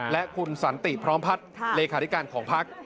และคุณสันติพร้อมพัฒน์เลขาธิการของพัก